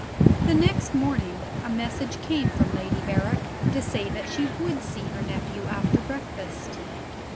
The next morning a message came from Lady Berrick, to say that she would see her nephew after breakfast.